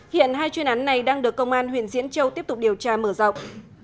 hiện hai chuyên án này đang được công an huyện diễn châu tiếp tục điều tra mở rộng